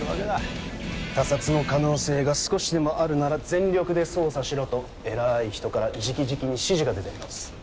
他殺の可能性が少しでもあるなら全力で捜査しろと偉い人から直々に指示が出てるようです。